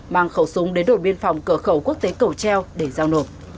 mang khẩu súng đến đội biên phòng cửa khẩu quốc tế cầu treo để giao nộp